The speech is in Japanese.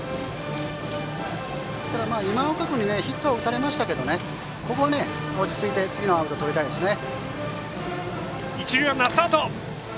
今岡君にヒットを打たれましたがここは落ち着いて次のアウトをとりたいですね。